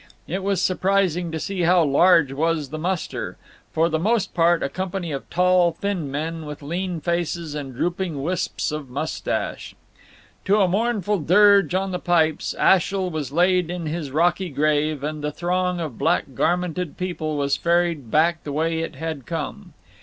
It was surprising to see how large was the muster; for the most part a company of tall, thin men, with lean faces and drooping wisps of moustache. To a mournful dirge on the pipes, Ashiel was laid in his rocky grave, and the throng of black garmented people was ferried back the way it had come.